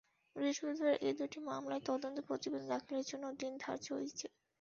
বৃহস্পতিবার এ দুটি মামলায় তদন্ত প্রতিবেদন দাখিলের জন্য দিন ধার্য ছিল।